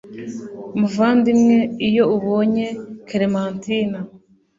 muvandimwe, iyo ubonye clementine